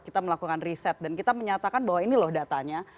kita melakukan riset dan kita menyatakan bahwa ini loh datanya